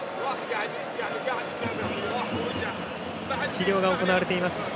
治療が行われています。